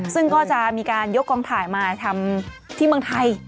ซึ่งก็จะมีการยกกองถ่ายมาทำที่เมืองไทย